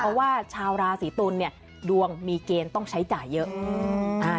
เพราะว่าชาวราศีตุลเนี่ยดวงมีเกณฑ์ต้องใช้จ่ายเยอะ